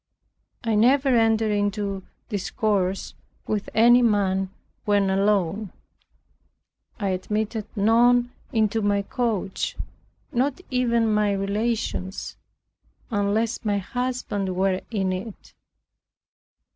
I never entered into discourse with any man when alone. I admitted none into my coach, not even my relations, unless my husband were in it.